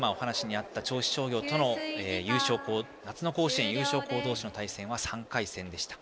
銚子商業との夏の甲子園優勝校同士の対戦は３回戦でした。